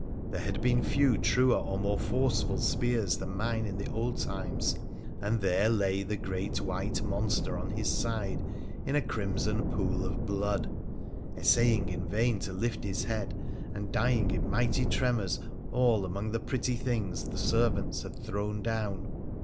There had been few truer or more forceful spears than mine in the old times ; and there lay the great white monster on his side in a crimson pool of blood, essaying in vain to lift his head, and dying in mighty tremors all among the pretty things the servants had thrown down.